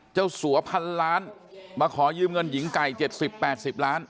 สัวพันล้านมาขอยืมเงินหญิงไก่๗๐๘๐ล้าน